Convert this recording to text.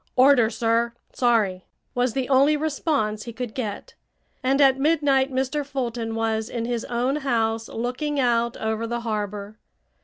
"Orders, sir. Sorry," was the only response he could get, and at midnight Mr. Fulton was in his own house looking out over the harbor.